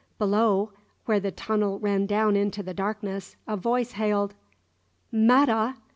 Below, where the tunnel ran down into darkness, a voice hailed "'Metta!